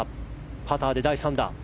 パターで第３打。